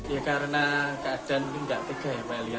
ya karena keadaan ini gak tega ya pak elia